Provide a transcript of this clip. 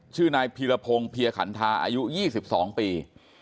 ชื่อนายพีรพงศ์เพียขันทาอายุ๒๒ปี